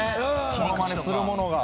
ものまねするものが。